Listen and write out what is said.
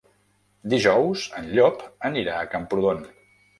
Dijous en Llop anirà a Camprodon.